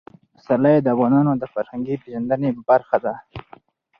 پسرلی د افغانانو د فرهنګي پیژندنې برخه ده.